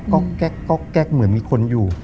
ก็แก๊กเหมือนมีคนอยู่